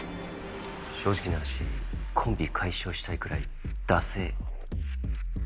正直な話コンビ解消したいくらいダセェ。